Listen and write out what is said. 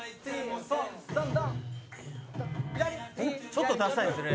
「ちょっとださいですね」